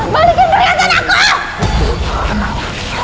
balikin perhatian aku